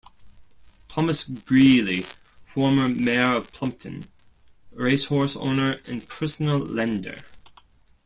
Thomas Grealy - Former Mayor of Plumpton, racehorse owner and personal lender.